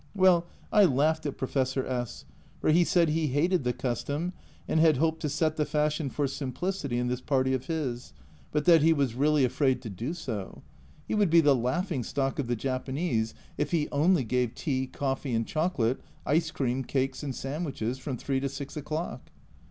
Well, I laughed at Professor S , for he said he hated the custom and had hoped to set the fashion for simplicity in this party of his, but that he was really A Journal from Japan 121 afraid to do so ; he would be the laughing stock of the Japanese if he only gave tea, coffee, and chocolate, ice cream, cakes and sandwiches from 3 to 6 o'clock